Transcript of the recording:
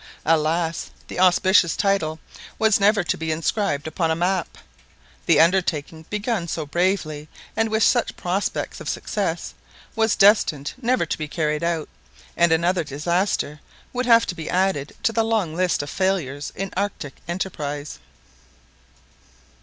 Alas! the auspicious title was never to be inscribed upon a map. The undertaking, begun so bravely and with such prospects of success, was destined never to be carried out, and another disaster would have to be added to the long list of failures in Arctic enterprise.